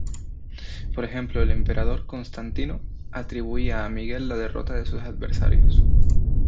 Por ejemplo, el emperador Constantino atribuía a Miguel la derrota de sus adversarios.